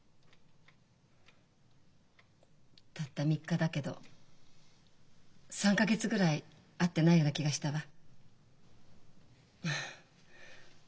たった３日だけど３か月ぐらい会ってないような気がしたわ。